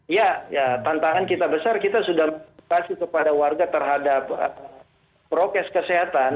ya tantangan kita besar kita sudah kasih kepada warga terhadap prokes kesehatan